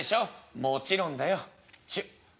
「もちろんだよ。チュッ」。